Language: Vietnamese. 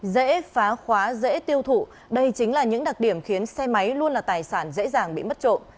dễ phá khóa dễ tiêu thụ đây chính là những đặc điểm khiến xe máy luôn là tài sản dễ dàng bị mất trộm